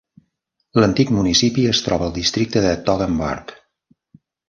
L'antic municipi es troba al districte de Toggenburg.